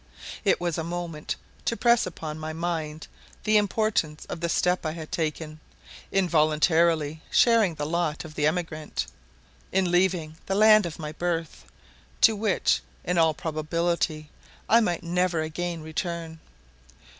It was a moment to press upon my mind the importance of the step I had taken, in voluntarily sharing the lot of the emigrant in leaving the land of my birth, to which, in all probability, I might never again return.